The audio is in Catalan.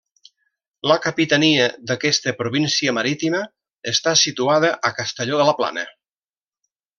La capitania d'aquesta província marítima està situada a Castelló de la Plana.